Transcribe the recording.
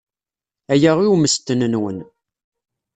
Aya i ummesten-nwen.